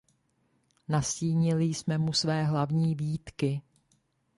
Nastínili jsme mu své hlavní výtky.